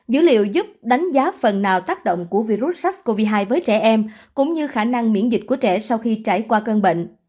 dữ liệu giúp đánh giá phần nào tác động của virus sars cov hai với trẻ em cũng như khả năng miễn dịch của trẻ sau khi trải qua cơn bệnh